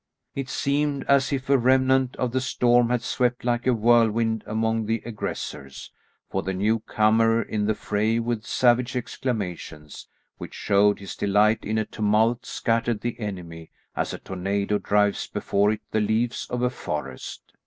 It seemed as if a remnant of the storm had swept like a whirlwind among the aggressors, for the newcomer in the fray, with savage exclamations, which showed his delight in a tumult, scattered the enemy as a tornado drives before it the leaves of a forest.